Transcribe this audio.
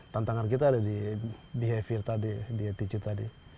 tantangan kita ada di behavior tadi di attitude tadi